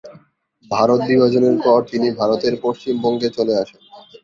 ভারত বিভাজনের পর তিনি ভারতের পশ্চিমবঙ্গে চলে আসেন।